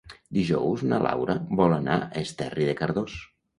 Dijous na Laura vol anar a Esterri de Cardós.